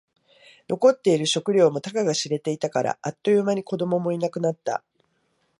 残っている食料もたかが知れていたから。あっという間に子供もいなくなった。